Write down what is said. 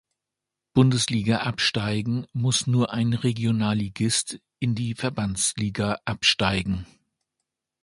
Bundesliga absteigen, muss nur ein Regionalligist in die Verbandsliga absteigen.